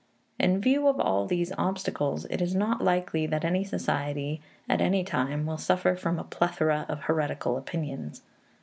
In view of all these obstacles, it is not likely that any society at any time will suffer from a plethora of heretical opinions.